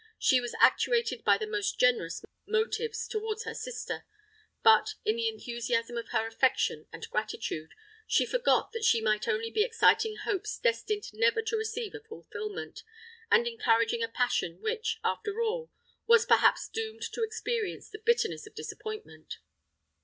She was actuated by the most generous motives towards her sister; but, in the enthusiasm of her affection and gratitude, she forgot that she might only be exciting hopes destined never to receive a fulfilment, and encouraging a passion which, after all, was perhaps doomed to experience the bitterness of disappointment.